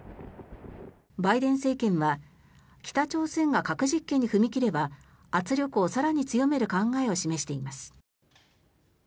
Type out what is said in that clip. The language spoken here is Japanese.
バイデン政権は北朝鮮が核実験に踏み切れば圧力を更に強める考えを示しています。